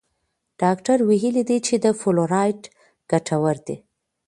ډاکټر ویلي دي چې فلورایډ ګټور دی.